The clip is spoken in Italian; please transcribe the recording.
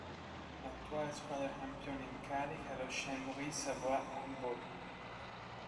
L'attuale squadra campione in carica è lo Chambéry Savoie Handball.